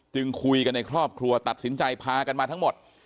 คุยกันในครอบครัวตัดสินใจพากันมาทั้งหมด